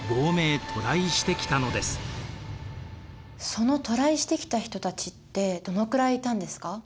その渡来してきた人たちってどのくらいいたんですか？